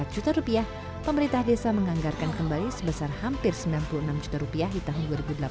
empat juta rupiah pemerintah desa menganggarkan kembali sebesar hampir sembilan puluh enam juta rupiah di tahun dua ribu delapan belas